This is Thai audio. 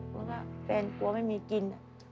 เพราะว่าแฟนกลัวไม่มีกิน